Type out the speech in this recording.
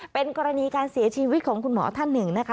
เป็นกรณีการเสียชีวิตของคุณหมอท่านหนึ่งนะคะ